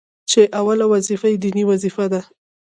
چي اوله وظيفه يې ديني وظيفه ده،